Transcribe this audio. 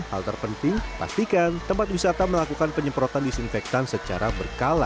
hal terpenting pastikan tempat wisata melakukan penyemprotan disinfektan secara berkala